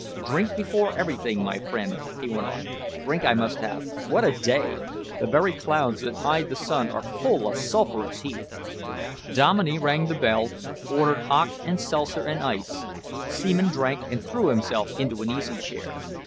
Drink before everything, my friend," he went on, "drink I must have. What a day! The very clouds that hide the sun are full of sulphurous heat." Dominey rang the bell, ordered hock and seltzer and ice. Seaman drank and threw himself into an easy chair.